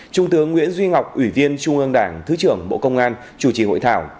trung tướng nguyễn duy ngọc ủy viên trung ương đảng thứ trưởng bộ công an chủ trì hội thảo